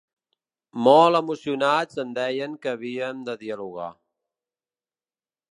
Molt emocionats em deien que havien de dialogar.